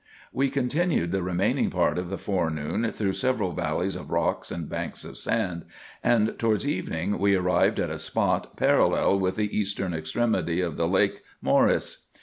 We continued the remaining part of the forenoon through several valleys of rocks and banks of sand ; and towards evening we arrived at a spot parallel with the eastern extremity of the lake Mceris.